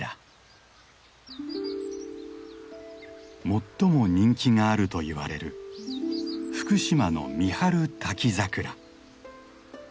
最も人気があるといわれる福島の三春滝桜。